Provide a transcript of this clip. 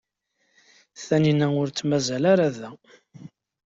Tanina ur tt-mazal ara da.